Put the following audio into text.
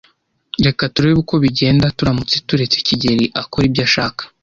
Reka turebe uko bigenda turamutse turetse kigeli akora ibyo ashaka.